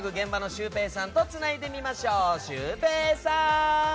シュウペイさん！